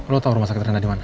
lo tau rumah sakit rena dimana